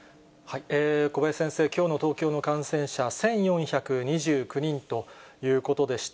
小林先生、きょうの東京の感染者１４２９人ということでした。